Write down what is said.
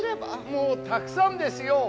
もうたくさんですよ。